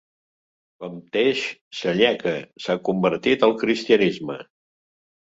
Com Tesh, Selleca s'ha convertit al cristianisme.